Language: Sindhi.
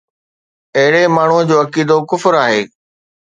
اهڙي ماڻهوءَ جو عقيدو ڪفر آهي